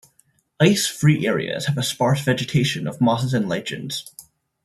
Ice-free areas have a sparse vegetation of mosses and lichens.